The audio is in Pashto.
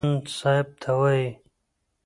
خاوند صاحب ته وايي.